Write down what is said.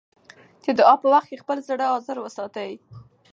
د دعا په وخت کې خپل زړه حاضر وساتئ.